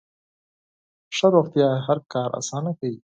ښه روغتیا هر کار اسانه کوي.